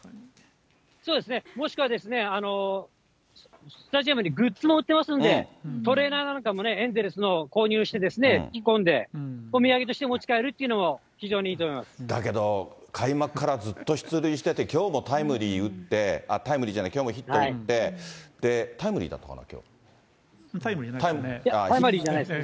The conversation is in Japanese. そうですね、もしくは、スタジアムにグッズも売ってますんで、トレーナーなんかもね、エンゼルスの購入して、着込んで、お土産として持ち帰るっていうのだけど、開幕からずっと出塁してて、きょうもタイムリー打って、タイムリーじゃない、きょうもヒット打って、タイムリーじゃないですね。